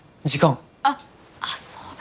あっそうだ。